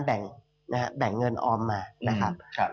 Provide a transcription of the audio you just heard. แบ่งเงินออมมานะครับ